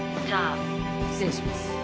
じゃあ失礼します。